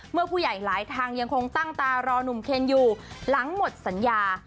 ผู้ใหญ่หลายทางยังคงตั้งตารอนุ่มเคนอยู่หลังหมดสัญญา